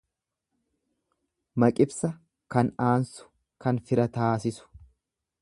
Maqibsa kan aansu, kan fira taasisu.